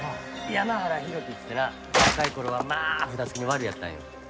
山原浩喜っつってな若い頃はまあ札付きのワルやったんよ。